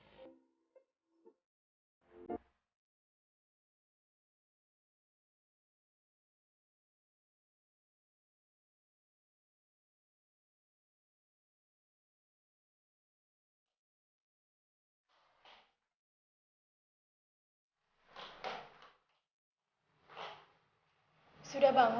sudah bangun mas